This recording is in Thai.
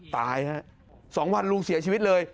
ตายฮะ๒วันลุงเสียชีวิตเลย